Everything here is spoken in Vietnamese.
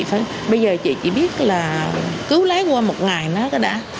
bây giờ chị chỉ biết là cứu lấy qua một ngày đó đó đã